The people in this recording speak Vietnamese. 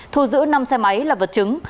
thu giữ năm xe máy là vật chứng